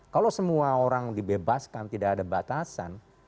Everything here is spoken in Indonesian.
kalau semua orang dibebaskan tidak ada batasan